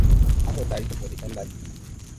A mo day de ɓɔ de el lay.